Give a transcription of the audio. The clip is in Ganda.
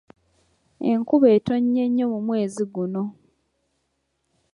Enkuba etonnye nnyo mu mwezi guno.